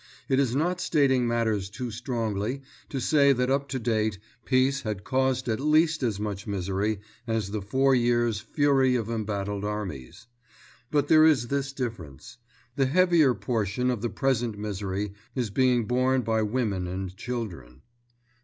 It is not stating matters too strongly to say that up to date Peace had caused at least as much misery as the four years' fury of embattled armies. But there is this difference: the heavier portion of the present misery is being borne by women and children.